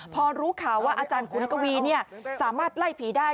พอรู้ข่าวว่าอาจารย์ขุนกวีสามารถไล่ผีได้